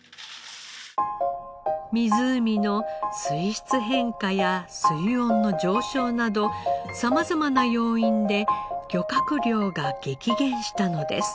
湖の水質変化や水温の上昇など様々な要因で漁獲量が激減したのです。